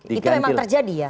itu memang terjadi ya